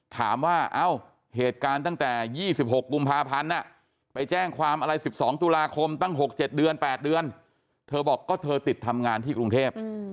ถามว่าเอ้าเหตุการณ์ตั้งแต่๒๖กุมภาพันธ์ไปแจ้งความอะไร๑๒ตุลาคมตั้ง๖๗เดือน๘เดือนเธอบอกก็เธอติดทำงานที่กรุงเทพ